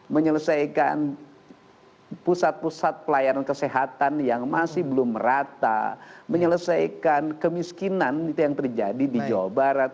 menyelesaikan pusat pusat pelayanan kesehatan yang masih belum merata menyelesaikan kemiskinan itu yang terjadi di jawa barat